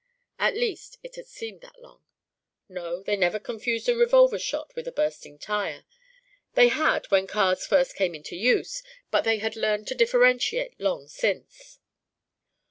At least, it had seemed that long. No, they never confused a revolver shot with a bursting tire. They had when cars first came into use, but they had learned to differentiate long since.